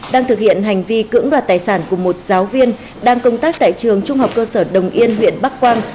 đang thực hiện hành vi cưỡng đoạt tài sản của một giáo viên đang công tác tại trường trung học cơ sở đồng yên huyện bắc quang